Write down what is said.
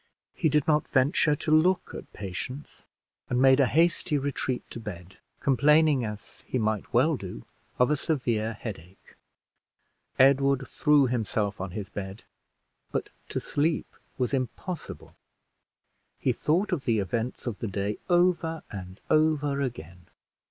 He did not venture to look at Patience, and made a hasty retreat to bed, complaining, as he might well do, of a severe headache. Edward threw himself on his bed, but to sleep was impossible. He thought of the events of the day over and over again.